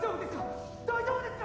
大丈夫ですか！？